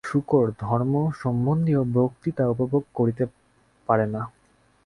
শূকর ধর্মসম্বন্ধীয় বক্তৃতা উপভোগ করিতে পারে না।